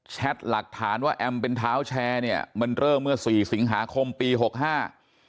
หลักฐานว่าแอมเป็นเท้าแชร์เนี่ยมันเริ่มเมื่อสี่สิงหาคมปีหกห้า